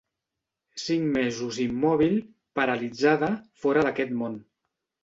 Cinc mesos immòbil, paralitzada, fora d'aquest món.